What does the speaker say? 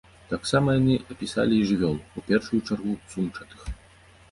Таксама яны апісалі і жывёл, у першую чаргу сумчатых.